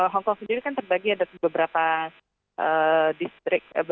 hongkong sendiri kan terbagi ada beberapa distrik